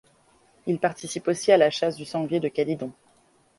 Il participe aussi à la chasse du sanglier de Calydon.